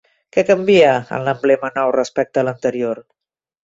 Què canvia en l'emblema nou respecte a l'anterior?